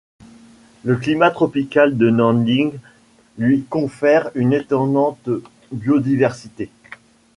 Le climat tropical de Nanning lui confère une étonnante biodiversité.